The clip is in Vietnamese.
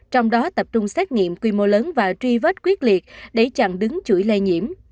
trong đó tập trung xét nghiệm quy mô lớn và truy vết quyết liệt để chặn đứng chuỗi lây nhiễm